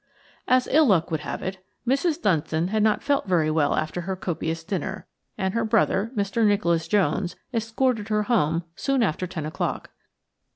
As ill luck would have it, Mrs. Dunstan had not felt very well after her copious dinner, and her brother, Mr. Nicholas Jones, escorted her home soon after ten o'clock.